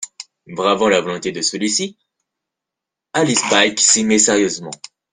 Bravant la volonté de celui-ci, Alice Pike s'y met sérieusement.